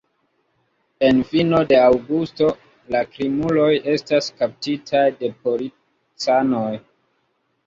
En fino de aŭgusto la krimuloj estas kaptitaj de policanoj.